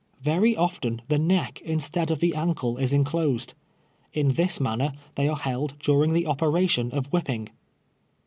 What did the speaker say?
Very often the neck instead of the ankle is enclosed. In this manner they are held during the operation of whipping.